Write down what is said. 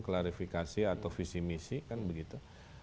klarifikasi atau visi misi kan begitu